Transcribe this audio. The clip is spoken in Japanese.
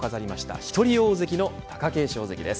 一人大関の貴景勝関です。